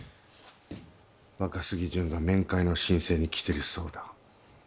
若杉純が面会の申請に来てるそうだ。